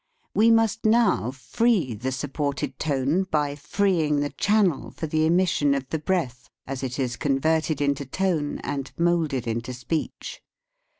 We must now free the supported tone, by freeing the channel for the emission of the breath as it is converted into tone and moulded into speech.